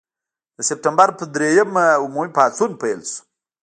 د سپټمبر پر دریمه عمومي پاڅون پیل شو.